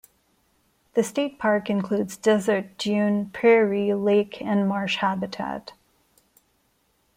The state park includes desert, dune, prairie, lake and marsh habitat.